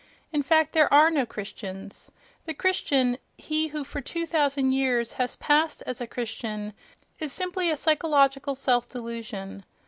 In fact, there are no Christians. The "Christian"—he who for two thousand years has passed as a Christian—is simply a psycho logical self delusion.